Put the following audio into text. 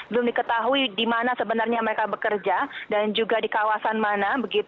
belum diketahui di mana sebenarnya mereka bekerja dan juga di kawasan mana